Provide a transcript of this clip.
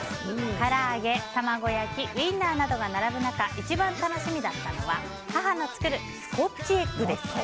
から揚げ、卵焼きウィンナーなどが並ぶ中一番楽しみだったのは母の作るスコッチエッグです。